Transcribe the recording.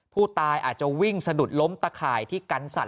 ผู้ตายอาจจะวิ่งสะดุดล้มตะข่ายที่กันสัตว